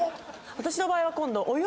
私の場合は今度。